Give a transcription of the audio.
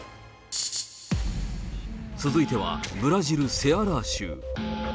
続いてはブラジル・セアラー州。